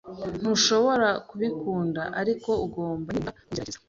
Ntushobora kubikunda, ariko ugomba nibura kubigerageza.